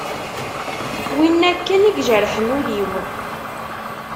Wina akken i ijerḥen ul-iw.